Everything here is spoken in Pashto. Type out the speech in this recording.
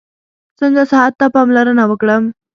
څنګه صحت ته پاملرنه وکړم؟